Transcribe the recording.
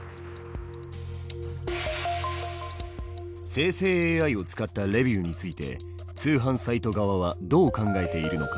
生成ＡＩを使ったレビューについて通販サイト側はどう考えているのか。